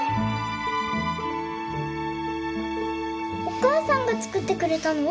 お母さんが作ってくれたの？